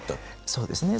そうですね。